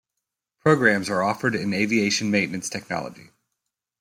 Programs are offered in Aviation maintenance technology.